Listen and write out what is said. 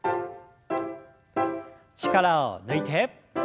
力を抜いて。